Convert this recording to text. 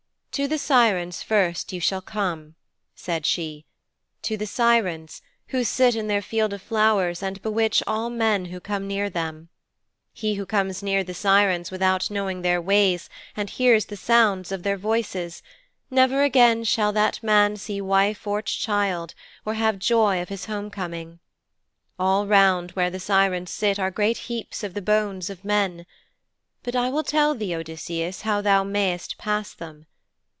'"To the Sirens first you shall come," said she, "to the Sirens, who sit in their field of flowers and bewitch all men who come near them. He who comes near the Sirens without knowing their ways and hears the sound of their voices never again shall that man see wife or child, or have joy of his home coming. All round where the Sirens sit are great heaps of the bones of men. But I will tell thee, Odysseus, how thou mayst pass them."'